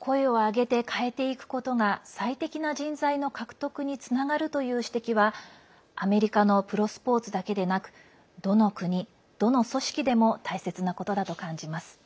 声を上げて変えていくことが最適な人材の獲得につながるという指摘はアメリカのプロスポーツだけでなくどの国、どの組織でも大切なことだと感じます。